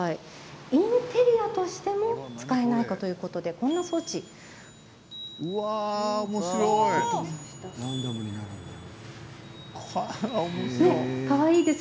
インテリアとしても使えないかということで、こんな装置です。